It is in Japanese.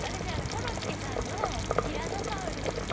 コロッケさんのティラノサウルスの。